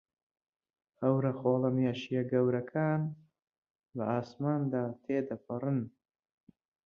هەورە خۆڵەمێشییە گەورەکان بە ئاسماندا تێدەپەڕن.